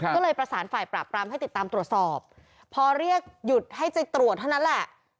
ก็เลยประสานฝ่ายปราบปรามให้ติดตามตรวจสอบพอเรียกหยุดให้ใจตรวจเท่านั้นแหละ